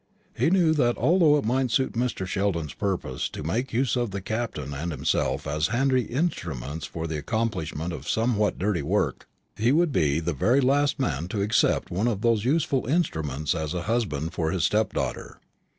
He knew that although it might suit Mr. Sheldon's purpose to make use of the Captain and himself as handy instruments for the accomplishment of somewhat dirty work, he would be the very last man to accept one of those useful instruments as a husband for his stepdaughter.